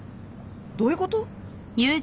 どういうこと？